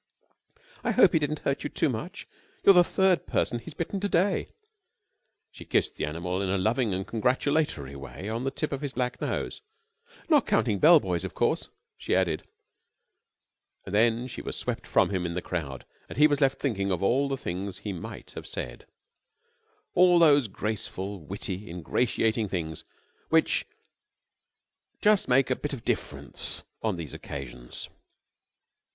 "I hope he didn't hurt you much. You're the third person he's bitten to day." She kissed the animal in a loving and congratulatory way on the tip of his black nose. "Not counting bell boys, of course," she added. And then she was swept from him in the crowd and he was left thinking of all the things he might have said all those graceful, witty, ingratiating things which just make a bit of difference on these occasions.